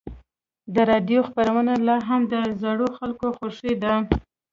د راډیو خپرونې لا هم د زړو خلکو خوښې دي.